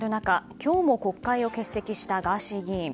今日も国会を欠席したガーシー議員。